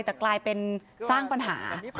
แต่กลายเป็นสร้างปัญหา